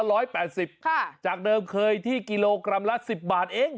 ค่ะจากเดิมเคยที่กิโลกรัมละ๑๐บาทเอง